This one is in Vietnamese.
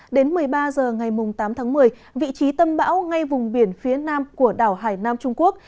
đến một mươi ba h ngày tám tháng một mươi vị trí tâm bão ngay vùng biển phía nam của đảo hải nam trung quốc